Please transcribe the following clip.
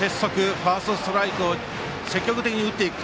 ファーストストライクを積極的に打っていく。